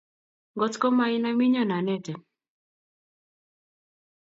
Ngotko ma i nam inyon anetin